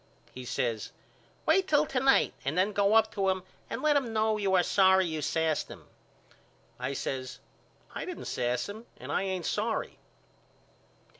He says Wait till to night and then go up to him and let him know you are sorry you sassed him. I says I didn't sass him and I ain't sorry.